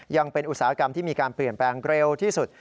ยังเป็นอุตสาหกรรมที่มีการเปลี่ยนแปลงเร็วที่สุด